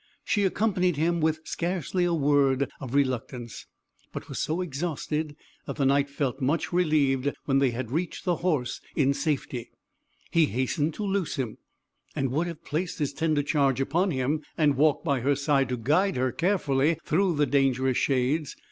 She accompanied him with scarcely a word of reluctance, but was so exhausted, that the Knight felt much relieved when they had reached the horse in safety; he hastened to loose him, and would have placed his tender charge upon him, and walked by her side to guide her carefully through the dangerous shades.